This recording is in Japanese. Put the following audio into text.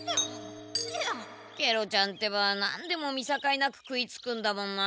ケロちゃんてばなんでもみさかいなく食いつくんだもんな。